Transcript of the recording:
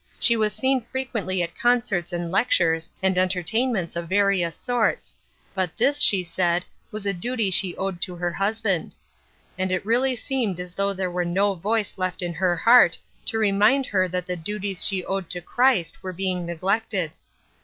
She was seen frequently at concerts and lectures, and entertainments of various sorts, but this, she said, was a duty she owed to her husband. And it really seemed as though there were no voice left in her heart to remind her that the duties she owed to Christ were being neglected.